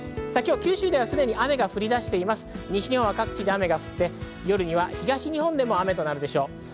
九州ではすでに雨が降り出していて西日本各地で雨が降って、夜には東日本でも雨となるでしょう。